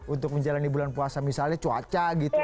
untuk menjalani bulan puasa misalnya cuaca gitu